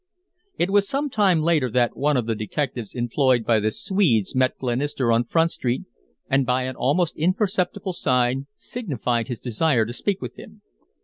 It was some time later that one of the detectives employed by the Swedes met Glenister on Front Street, and by an almost imperceptible sign signified his desire to speak with him.